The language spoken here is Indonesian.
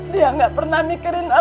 dia gak pernah mikirin orang lain